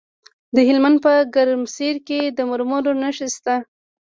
د هلمند په ګرمسیر کې د مرمرو نښې شته.